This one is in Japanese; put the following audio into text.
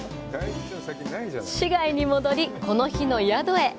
市街に戻り、この日のお宿へ。